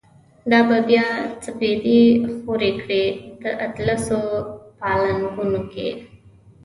دا به بیا سپیدی خوری کړی، داطلسو پالنګونو